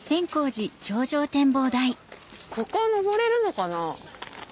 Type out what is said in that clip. ここ上れるのかな？